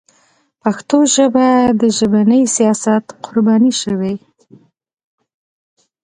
پښتو ژبه د ژبني سیاست قرباني شوې.